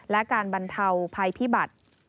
และการบรรเทาภัยพิบัติ